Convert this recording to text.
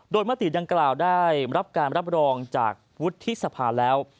โดยมติดังกล่าวได้รับการรับรองจากวุฒิสภาแล้ว